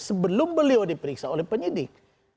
sebelum beliau diperiksa oleh penyidik